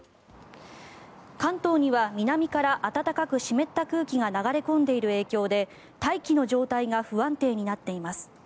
関東には南から暖かく湿った空気が流れ込んでいる影響で大気の状態が不安定になっています。